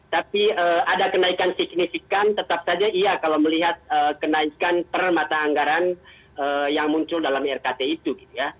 tapi ada kenaikan signifikan tetap saja iya kalau melihat kenaikan per mata anggaran yang muncul dalam rkt itu gitu ya